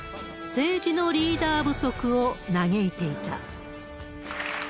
政治のリーダー不足を嘆いていた。